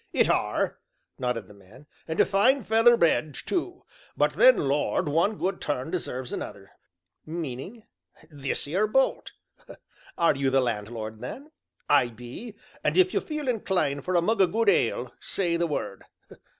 "It are," nodded the man, "and a fine feather bed too! But then, Lord, one good turn deserves another " "Meaning?" "This 'ere bolt." "Are you the landlord, then?" "I be; and if you feel inclined for a mug o' good ale say the word."